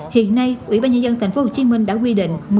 hiện nay ủy ban nhân dân tp hcm đã quy định